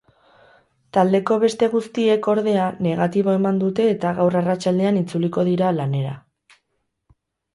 Taldeko beste guztiek ordea negatibo eman dute eta gaur arratsaldean itzuliko dira lanera.